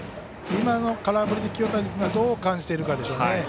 今の空振りで清谷君がどう感じているかでしょうね。